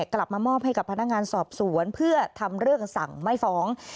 กลับมามอบให้กับพนักงานสอบสวนเพื่อทำเรื่องสั่งไม่ฟ้อง